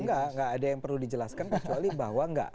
enggak enggak ada yang perlu dijelaskan kecuali bahwa nggak